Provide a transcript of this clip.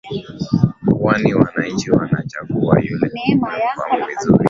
kwani wananchi wanachagua yule wanayemfahamu vizuri